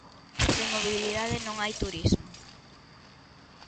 Sen mobilidade non hai turismo.